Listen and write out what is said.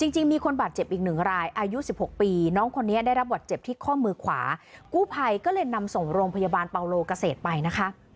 จริงมีคนบาดเจ็บอีกหนึ่งรายอายุ๑๖ปีน้องคนนี้ได้รับบัตรเจ็บที่ข้อมือขวากู้ภัยก็เลยนำส่งโรงพยาบาลเปาโลเกษตรไปนะคะ